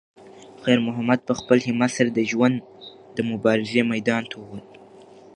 خیر محمد په خپل همت سره د ژوند د مبارزې میدان ته وووت.